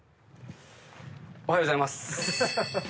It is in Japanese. おはようございます。